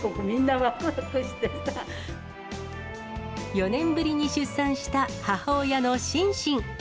４年ぶりに出産した母親のシンシン。